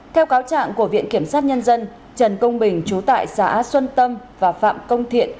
theo cáo trạng của viện kiểm sát nhân dân trần công bình chú tại xã xuân tâm và phạm công thiện